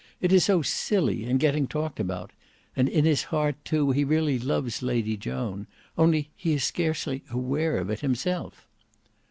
It is so silly, and getting talked about; and in his heart too he really loves Lady Joan; only he is scarcely aware of it himself."